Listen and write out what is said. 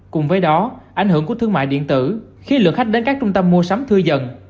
cùng với đó ảnh hưởng của thương mại điện tử khi lượng khách đến các trung tâm mua sắm thư dần